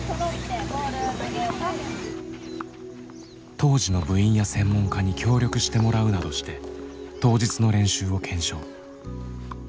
当時の部員や専門家に協力してもらうなどして当日の練習を検証。